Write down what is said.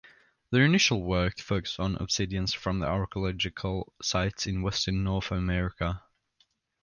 Their initial work focused on obsidians from archaeological sites in western North America.